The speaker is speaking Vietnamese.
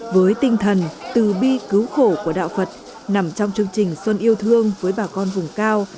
với tinh thần từ bi cứu khổ của đạo phật nằm trong chương trình xuân yêu thương với bà con vùng cao